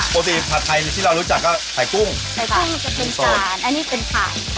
ปกติผัดไทยที่เรารู้จักก็ไข่กุ้งใช่ป่ะไข่กุ้งจะเป็นจานอันนี้เป็นผัด